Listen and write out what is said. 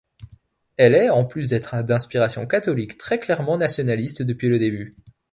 Elle est, en plus d'être d'inspiration catholique, très clairement nationaliste depuis le début.